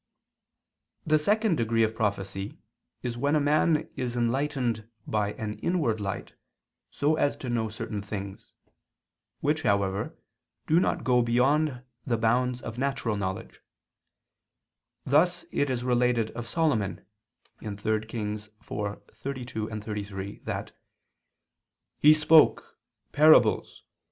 The second degree of prophecy is when a man is enlightened by an inward light so as to know certain things, which, however, do not go beyond the bounds of natural knowledge: thus it is related of Solomon (3 Kings 4:32, 33) that "he spoke ... parables